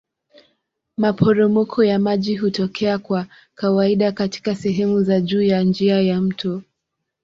Maporomoko ya maji hutokea kwa kawaida katika sehemu za juu ya njia ya mto.